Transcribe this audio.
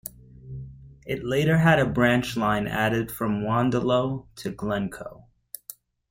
It later had a branch line added from Wandilo to Glencoe.